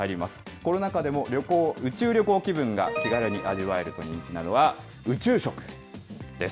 コロナ禍でも宇宙旅行気分が気軽に味わえると人気なのが、宇宙食です。